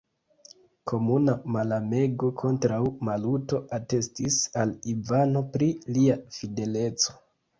Komuna malamego kontraŭ Maluto atestis al Ivano pri lia fideleco.